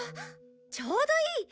ちょうどいい！